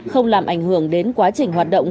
không làm ảnh hưởng đến quá trình hoạt động